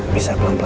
masa aku takut